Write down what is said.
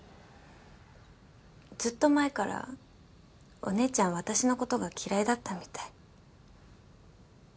ずっと前からお姉ちゃん私のことが嫌いだったみたい。